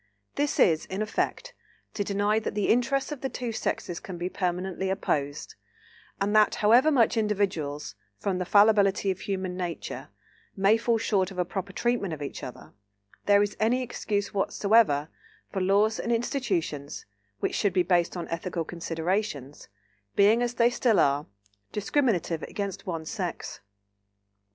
This is, in effect, to deny that the interests of the two sexes can be permanently opposed, and that, however much individuals, from the fallibility of human nature, may fall short of a proper treatment of each other, there is any excuse whatever for laws and institutions, which should be based on ethical considerations, being, as they still are, discriminative against one sex.